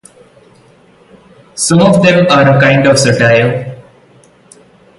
Some of them are a kind of satire.